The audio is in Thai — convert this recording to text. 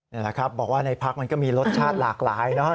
นี่แหละครับบอกว่าในพักมันก็มีรสชาติหลากหลายเนอะ